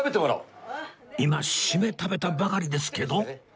今締め食べたばかりですけど